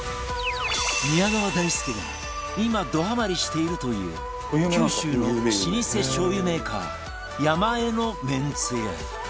宮川大輔が今どハマりしているという九州の老舗しょう油メーカーヤマエのめんつゆ